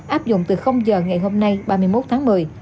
áp dụng từ giờ ngày hôm nay ba mươi một tháng một mươi